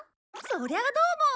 そりゃどうも。